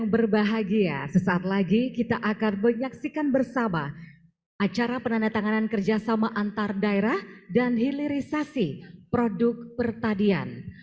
bersama dengan penanda tanganan antar daerah dan hilirisasi produk pertadian